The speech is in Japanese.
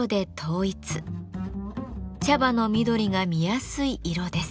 茶葉の緑が見やすい色です。